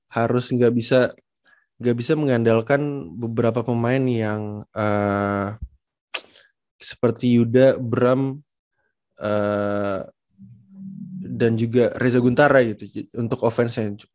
harus nggak bisa mengandalkan beberapa pemain yang seperti yuda bram dan juga reza guntara gitu untuk offensive